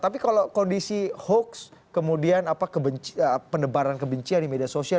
tapi kalau kondisi hoax kemudian penebaran kebencian di media sosial